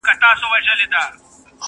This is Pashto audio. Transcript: لنډۍ په غزل کي، درېیمه برخه٫